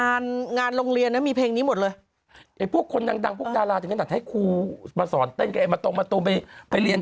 อันนั้นมีเท่าไหร่พวกคนนางต้องจะบุกได้ไม่ต้องมาตามาไม่ต้องไปไปเรียน